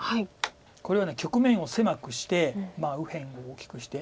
これは局面を狭くして右辺を大きくして。